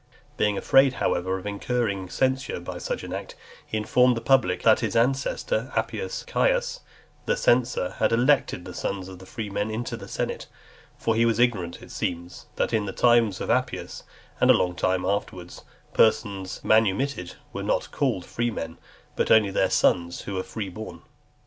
Being afraid, however, of incurring censure by such an act, he informed the public, that his ancestor Appius Caecus, the censor, had elected the sons of freedmen into (316) the senate; for he was ignorant, it seems, that in the times of Appius, and a long while afterwards, persons manumitted were not called freedmen, but only their sons who were free born.